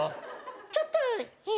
ちょっといい？